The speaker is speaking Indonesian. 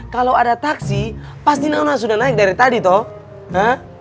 kalau ada taksi pasti nama sudah naik dari tadi toh